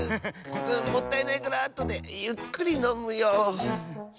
もったいないからあとでゆっくりのむよ。